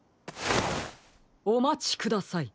おまちください。